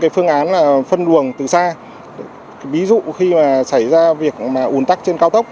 phương án phân luồng từ xa ví dụ khi xảy ra việc ồn tắc trên cao tốc